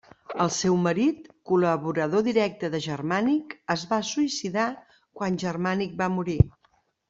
El seu marit, col·laborador directe de Germànic, es va suïcidar quan Germànic va morir.